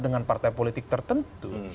dengan partai politik tertentu